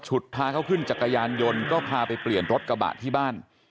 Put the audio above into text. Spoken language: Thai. พาเขาขึ้นจักรยานยนต์ก็พาไปเปลี่ยนรถกระบะที่บ้าน